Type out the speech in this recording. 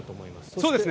そうですね。